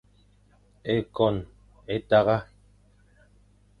Ékôn é tagha.